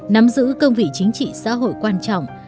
nắm giữ công vị chính trị xã hội quan trọng